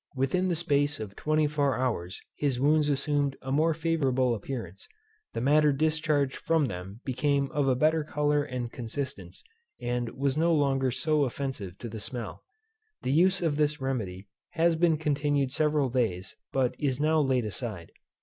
Within the space of twenty four hours his wounds assumed a more favourable appearance; the matter discharged from them became of a better colour and consistence; and was no longer so offensive to the smell. The use of this remedy has been continued several days, but is now laid aside.